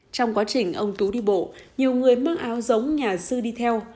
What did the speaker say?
trong quá trình ông tú đi bộ nhiều người mang áo giống nhà sư đi theo